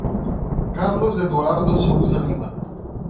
Carlos Eduardo Souza Lima